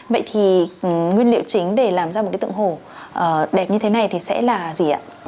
vậy thì nguyên liệu chính để làm ra một cái tượng hồ đẹp như thế này thì sẽ là gì ạ